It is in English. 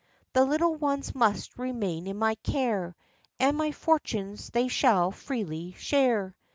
The little ones must remain in my care ; And my fortunes they shall freely share.